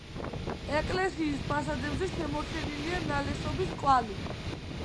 ეკლესიის ფასადებზე შემორჩენილია ნალესობის კვალი.